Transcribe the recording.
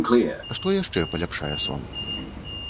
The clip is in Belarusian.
Што яшчэ паляпшае сон?